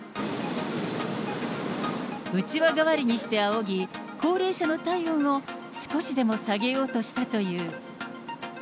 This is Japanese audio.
うちわ代わりにしてあおぎ、高齢者の体温を少しでも下げようとしたという。